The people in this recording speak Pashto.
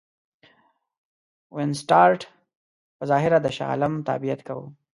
وینسیټارټ په ظاهره د شاه عالم تابعیت کاوه.